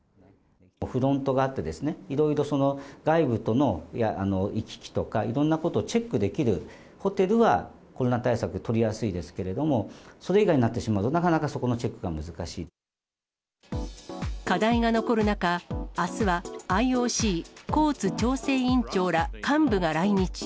フロントがあって、いろいろ、外部との行き来とか、いろんなことをチェックできるホテルは、コロナ対策取りやすいですけれども、それ以外になってしまうと、課題が残る中、あすはＩＯＣ、コーツ調整委員長ら幹部が来日。